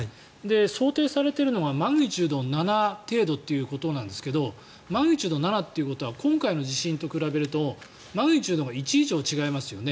想定されているのがマグニチュード７程度ということなんですがマグニチュード７ということは今回の地震と比べるとマグニチュードが１以上違いますよね。